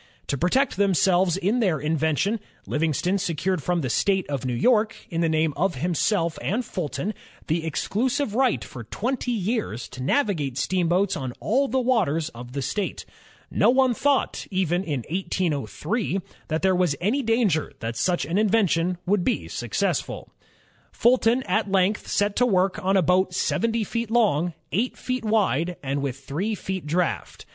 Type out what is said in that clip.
To protect themselves in their invention, Livingston secured from the State of New York, in the name of himself and Fulton, the exclusive right for twenty years to navigate steamboats on all the waters of the state. No one thought, even in 1803, that there was any danger that such an in vention would be a success. Fulton at length set to work on a boat seventy feet long, eight feet wide, and with three feet draft.